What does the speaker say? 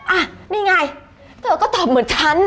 อ่ะนี่ไงเธอก็ตอบเหมือนกัน